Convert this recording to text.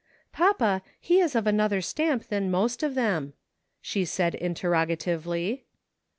" Papa, he is of another stamp than most of them," she said interrogatively.